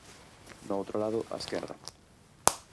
No outro lado, a esquerda.